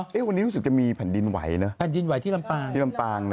วันนี้รู้สึกจะมีผันดินไหวเนอะผันดินไหวที่ลำปาง